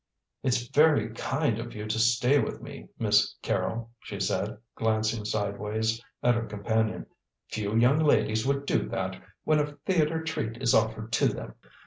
"It's very kind of you to stay with me, Miss Carrol," she said, glancing sideways at her companion; "few young ladies would do that when a theatre treat is offered to them."